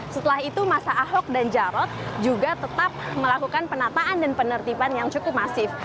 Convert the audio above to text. setelah itu masa ahok dan jarot juga tetap melakukan penataan dan penertiban yang cukup masif